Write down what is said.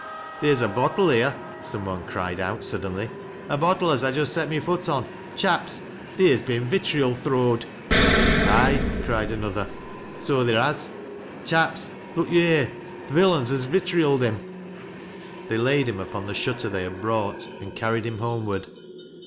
" Theer's a bottle here," some one cried out suddenly. " A bottle as I just set my foot on. Chaps, theer's been ritriol throwed." " Ay," cried another, " so theer has ; chaps, look yo' here. Th' villains has vitrioled him." They laid him upon the shutter they had brought, and carried him homeward.